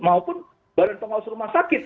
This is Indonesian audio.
maupun badan pengawas rumah sakit